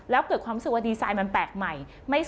แล้วเกิดความรู้สึกว่าดีไซน์มันแปลกใหม่